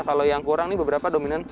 kalau yang kurang nih beberapa dominan